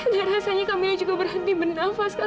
dan rasanya kak mila juga berhenti bernafas kak